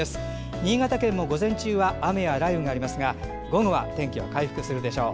新潟県も午前中は雨や雷雨がありますが午後は天気が回復するでしょう。